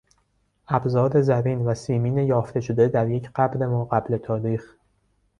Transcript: ابزار زرین و سیمین یافته شده در یک قبر ماقبل تاریخ